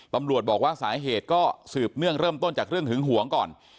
ตำรวจบอกว่าสาเหตุก็สืบเนื่องเริ่มต้นจากเรื่องหึงหวงก่อน